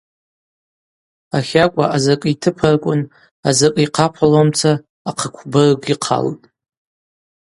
Ахакӏва азакӏы йтыпарквын азакӏы йхъапалхуамца ахъыквбырг йхъалтӏ.